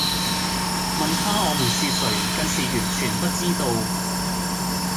問她我們是誰更是完全不知道